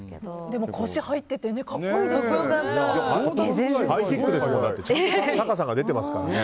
でも、腰入ってて格好いいですよね。